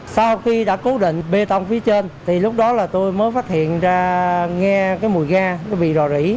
sau khi đã cố định bê tông phía trên thì lúc đó là tôi mới phát hiện ra nghe cái mùi ga cái vị rò rỉ